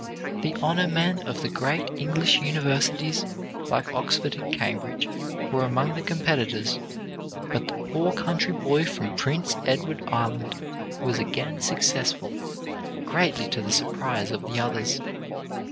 The honor men of the great English Universities like Oxford and Cambridge were among the competitors, but the poor country boy from Prince Edward Island was again successful, greatly to the surprise of the others.